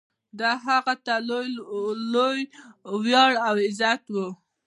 دا هغه ته لوی ویاړ او عزت و.